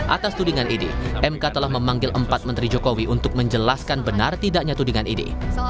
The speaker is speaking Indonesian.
atas tudingan ini mk telah memanggil empat menteri jokowi untuk menjelaskan benar tidaknya tudingan ini